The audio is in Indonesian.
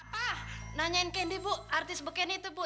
apa nanyain candy bu artis bukini itu bu